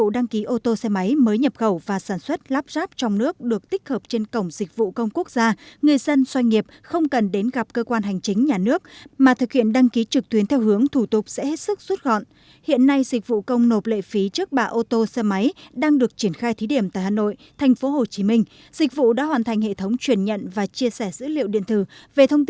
đăng ký ô tô xe máy mới nhập khẩu và sản xuất lắp ráp trong nước